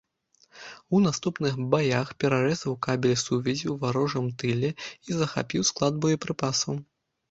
У наступных баях перарэзаў кабель сувязі у варожым тыле і захапіў склад боепрыпасаў.